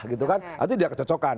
artinya tidak kecocokan